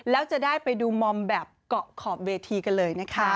แล้วจะได้ไปดูมอมแบบเกาะขอบเวทีกันเลยนะคะ